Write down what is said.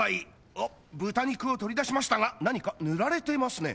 おっ豚肉を取り出しましたが何か塗られてますね